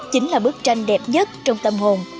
chính là bức tranh đẹp nhất trong tâm hồn